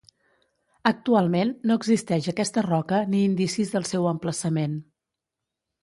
Actualment no existeix aquesta roca ni indicis del seu emplaçament.